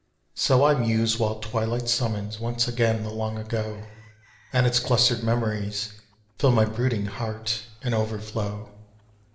So I muse while twilight summons once again the long ago, And its clustered memories fill my brooding heart, and overflow.